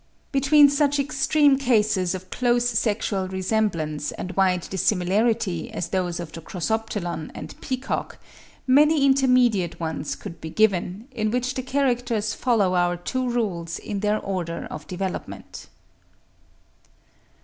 Between such extreme cases of close sexual resemblance and wide dissimilarity, as those of the Crossoptilon and peacock, many intermediate ones could be given, in which the characters follow our two rules in their order of development.